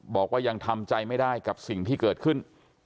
บอกว่ายังทำใจไม่ได้กับสิ่งที่เกิดขึ้น